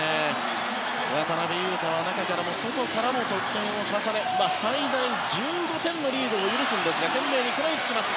渡邊雄太が中からも外からも得点を重ね最大１５点のリードを許しますが懸命に食らいつきます。